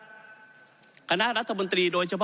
ก็ได้มีการอภิปรายในภาคของท่านประธานที่กรกครับ